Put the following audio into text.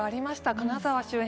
金沢周辺。